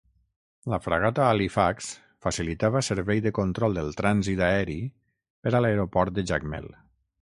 La fragata "Halifax" facilitava servei de control del trànsit aeri per a l'aeroport de Jacmel.